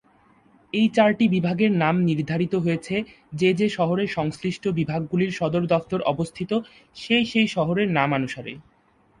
এই চারটি বিভাগের নাম নির্ধারিত হয়েছে যে যে শহরে সংশ্লিষ্ট বিভাগগুলির সদর দফতর অবস্থিত সেই সেই শহরের নামানুসারে।